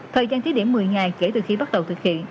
thời gian thí điểm một mươi ngày kể từ khi bắt đầu thực hiện